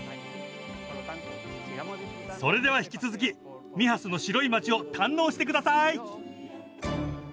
それでは引き続きミハスの白い街を堪能してください。